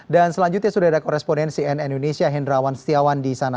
dan selanjutnya sudah ada koresponen cn indonesia hendrawan setiawan di sana